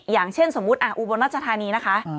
อย่างเช่นสมมุติอาอุโบนัสสถานีนะคะ